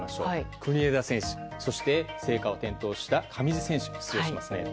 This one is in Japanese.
国枝選手、そして聖火を点灯した上地選手も出場しますね。